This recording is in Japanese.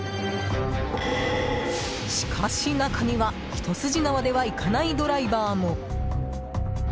しかし中には一筋縄ではいかないドライバーも。